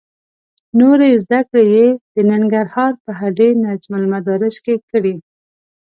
نورې زده کړې یې د ننګرهار په هډې نجم المدارس کې کړې.